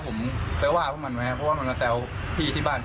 ผมไปว่าพวกมันไหมครับเพราะว่ามันมาแซวพี่ที่บ้าน